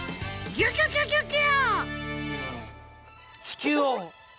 ギュギュギュギュギュ！